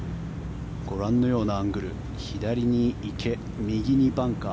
ご覧のようなアングル左に池、右にバンカー